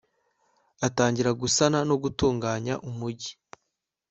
atangira gusana no gutunganya umugi